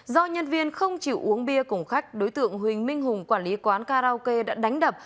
do nhân viên không chịu uống bia cùng khách đối tượng huỳnh minh hùng quản lý quán karaoke đã đánh đập